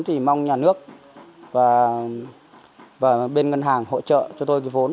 thì mong nhà nước và bên ngân hàng hỗ trợ cho tôi cái vốn